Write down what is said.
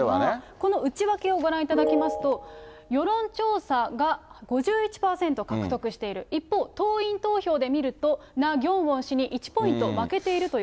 この内訳をご覧いただきますと、世論調査が５１％獲得している、一方、党員投票で見ると、ナ・ギョンウォン氏に１ポイント負けているという。